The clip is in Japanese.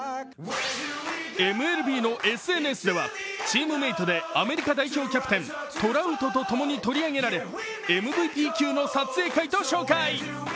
ＭＬＢのＳＮＳでは、チームメートでアメリカ代表キャプテントラウトとともに取り上げられ、ＭＶＰ級の撮影会と紹介。